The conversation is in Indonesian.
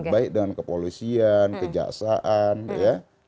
baik dengan kepolisian kejaksaan ya